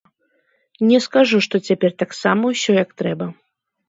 Не скажу, што цяпер таксама ўсё як трэба.